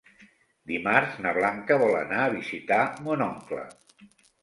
Dimarts na Blanca vol anar a visitar mon oncle.